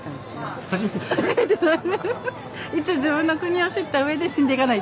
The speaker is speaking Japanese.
初めてなんです。